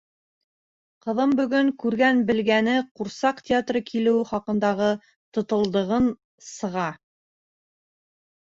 Ҡыҙым бөгөн күргән-белгәне, ҡурсаҡ театры килеүе хаҡында тытылдығын сыға.